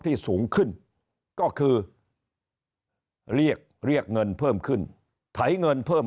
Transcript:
สูงขึ้นก็คือเรียกเรียกเงินเพิ่มขึ้นไถเงินเพิ่ม